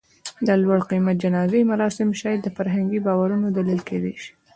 د لوړ قېمت جنازې مراسم شاید د فرهنګي باورونو دلیل کېدی شي.